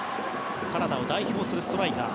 カナダを代表するストライカー。